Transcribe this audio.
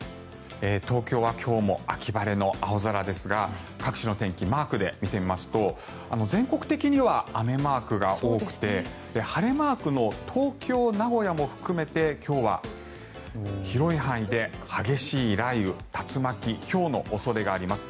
東京は今日も秋晴れの青空ですが各地の天気マークで見てみますと全国的には雨マークが多くて晴れマークの東京、名古屋も含めて今日は広い範囲で激しい雷雨竜巻、ひょうの恐れがあります。